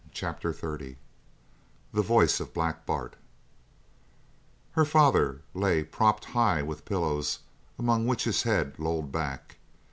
CHAPTER XXX THE VOICE OF BLACK BART Her father lay propped high with pillows among which his head lolled back.